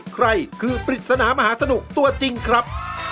ใครคือปริศนามหาสนุกตัวจริงครับ